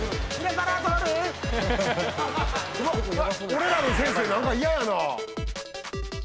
俺らの先生何か嫌やなぁ。